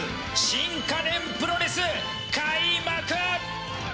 新家電プロレス、開幕！